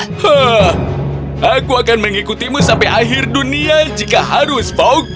heeey aku akan mengikutimu sampai akhir dunia jika harus